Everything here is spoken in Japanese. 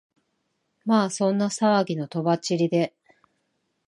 まあそんな騒ぎの飛ばっちりで、